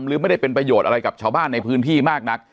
หรือไม่ได้เป็นประโยชน์อะไรกับชาวบ้านในพื้นที่มากนัก